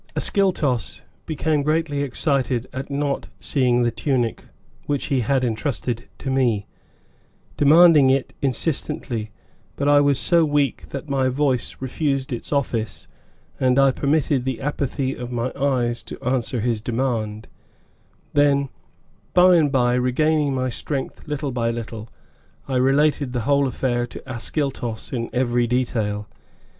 Ascyltos became greatly excited at not seeing the tunic which he had entrusted to me, demanding it insistently, but I was so weak that my voice refused its office and I permitted the apathy of my eyes to answer his demand, then, by and by, regaining my strength little by little, I related the whole affair to Ascyltos, in every detail.